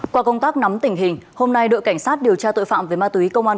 qua công tác nắm tình hình hôm nay đội cảnh sát điều tra tội phạm về ma túy công an